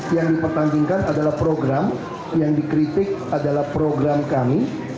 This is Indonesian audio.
yang dipertandingkan adalah program yang dikritik adalah program kami